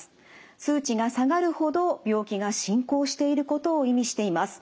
数値が下がるほど病気が進行していることを意味しています。